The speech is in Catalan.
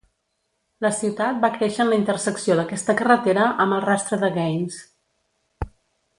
La ciutat va créixer en la intersecció d'aquesta carretera amb el rastre de Gaines.